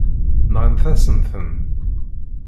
Nɣant-asen-ten.